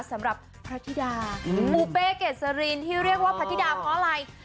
สำหรับพระธิดามูเป้เกษรินที่เรียกว่าพระธิดาเพราะอะไร